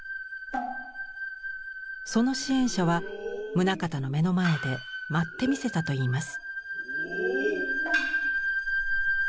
その支援者は棟方の目の前で舞ってみせたといいます。